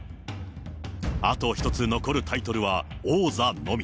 あと１つ、残るタイトルは王座のみ。